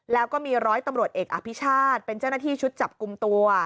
แล้วก็มีร้อยตำรวจเอกอภิชาติเป็นเจ้าหน้าที่ชุดจับกลุ่มตัว